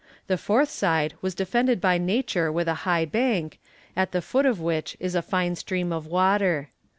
The fourth side was defended by nature with a high bank, at the foot of which is a fine stream of water.